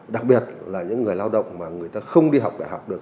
đặc biệt là những người lao động mà người ta không đi học đại học được